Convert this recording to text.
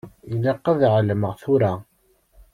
Ilaq ad ɛelmeɣ tura.